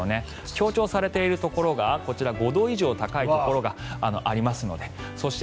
強調されているところがこちら５度以上高いところがありますのでそして